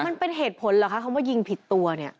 มันเป็นเหตุผลเหรอคะคำว่ายิงผิดตัวเนี่ย